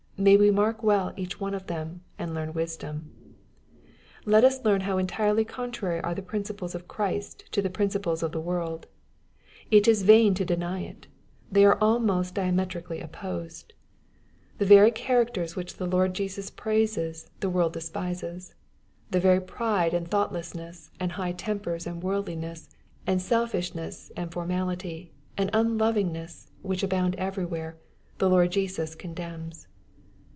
May we mark well each one of them, and learn wisdom 1 Let us learn how entirely contrary ar^ the principles of Christ to the principles of the world. It is vain to deny it. They are almost diametrically opposed. The very MATTHEW, CHAP. T. 39 characters which the Lord Jesus praises, the world de spises. The very pride, and thoughtlessness, and high tempers, and worldliness, and selfishness, and formality, and unlovingness, which abound everywhere, the Lord Jesus condemns.